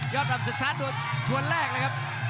ยอดปรับศึกซัดโดนชวนแรกแล้วครับ